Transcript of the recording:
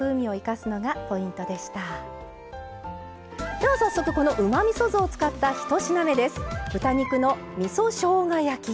では早速このうまみそ酢を使った１品目です。